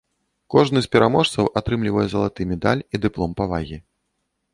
Кожны з пераможцаў атрымлівае залаты медаль і дыплом павагі.